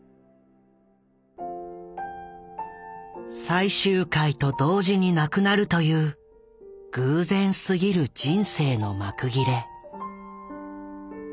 最終回と同時に亡くなるという偶然すぎる人生の幕切れ。